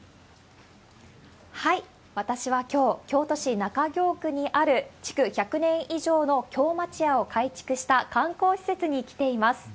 私はきょう、京都市中京区にある、築１００年以上の京町家を改築した観光施設に来ています。